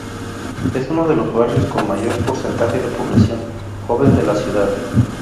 Es uno de los barrios con mayor porcentaje de población joven de la ciudad.